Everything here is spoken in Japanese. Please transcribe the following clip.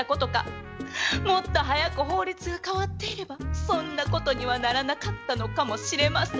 もっと早く法律が変わっていればそんなことにはならなかったのかもしれません。